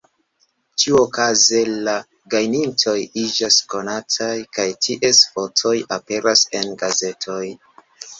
Ĉiuokaze la gajnintoj iĝas konataj kaj ties fotoj aperas en gazetoj.